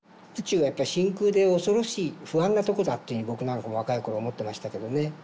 宇宙はやっぱ真空で恐ろしい不安なとこだっていう僕なんか若い頃思ってましたけどね。